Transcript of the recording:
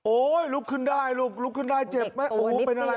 ลุกขึ้นได้ลูกลุกขึ้นได้เจ็บไหมโอ้โหเป็นอะไร